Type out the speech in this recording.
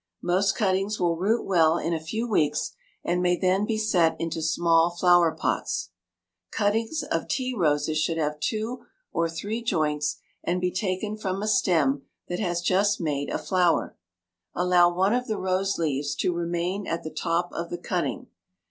Most cuttings will root well in a few weeks and may then be set into small flower pots. Cuttings of tea roses should have two or three joints and be taken from a stem that has just made a flower. Allow one of the rose leaves to remain at the top of the cutting.